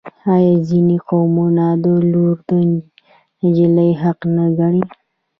آیا ځینې قومونه ولور د نجلۍ حق نه ګڼي؟